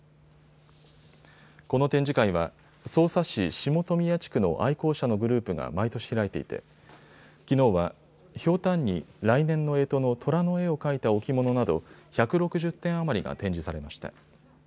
この展示会は匝瑳市下富谷地区の愛好者のグループが毎年開いていてきのうは、ひょうたんに来年のえとのとらの絵を描いた置物など１６０点余りが展示されました。